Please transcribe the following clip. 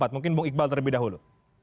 mungkin bu iqbal terlebih dahulu